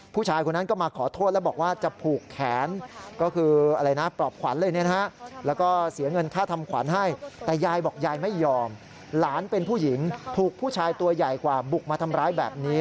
ผู้ชายคนนั้นก็มาขอโทษแล้วบอกว่าจะผูกแขนก็คือปลอบขวัญเลยนะฮะ